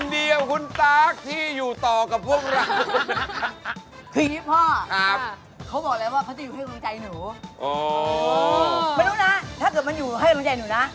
ไม่รู้นะถ้าเกิดมันอยู่ให้ลุงใหญ่หนูนะ